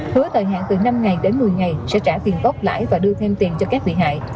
hứa thời hạn từ năm ngày đến một mươi ngày sẽ trả tiền góp lại và đưa thêm tiền cho các bị hại